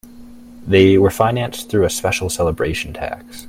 They were financed through a special celebration tax.